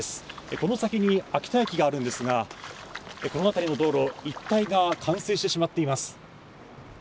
この先に秋田駅があるんですがこのあたりの道路いったいが冠水してしまっています。